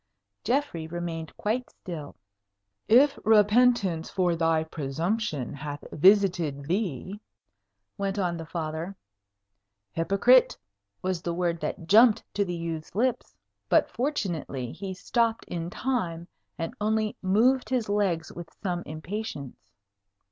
Geoffrey remained quite still. "If repentance for thy presumption hath visited thee " went on the Father. "Hypocrite!" was the word that jumped to the youth's lips; but fortunately he stopped in time, and only moved his legs with some impatience.